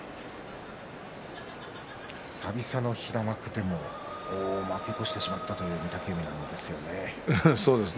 久々の平幕でも負け越してしまったというそうですね。